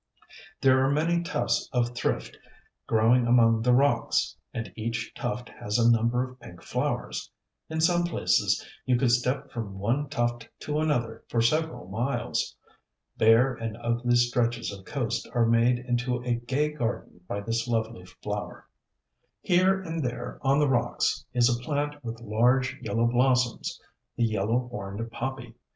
There are many tufts of Thrift growing among the rocks; and each tuft has a number of pink flowers. In some places you could step from one tuft to another for several miles. Bare and ugly stretches of coast are made into a gay garden by this lovely flower. Here and there on the rocks is a plant with large yellow blossoms the Yellow Horned Poppy.